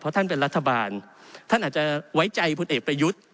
ท่านเป็นรัฐบาลท่านอาจจะไว้ใจพลเอกประยุทธ์